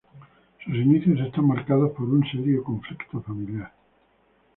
Sus inicios están marcados por un serio conflicto familiar.